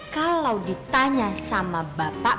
kalau ditanya sama bapak